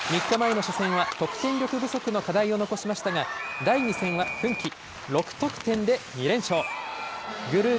３日前の初戦は得点力不足の課題を残しましたが、第２戦は奮起。